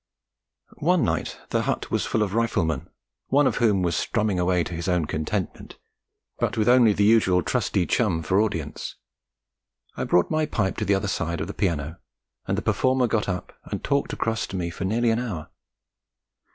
One night the hut was full of Riflemen, one of whom was strumming away to his own contentment, but with only the usual trusty chum for audience. I brought my pipe to the other side of the piano, and the performer got up and talked across to me for nearly an hour.